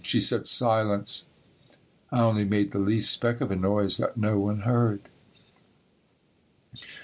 She said "Silence." I only made the least speck of a noise that no one heard.